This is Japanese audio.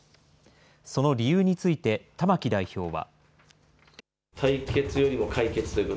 その理由について、玉木代表は。